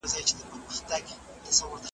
لا د پلار کیسه توده وي چي زوی خپل کوي نکلونه .